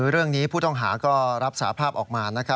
เรื่องนี้ผู้ต้องหาก็รับสาภาพออกมา